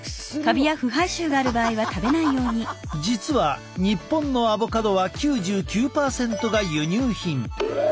実は日本のアボカドは９９％が輸入品。